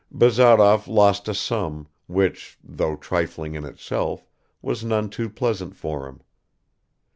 Bazarov lost a sum, which though trifling in itself, was none too pleasant for him.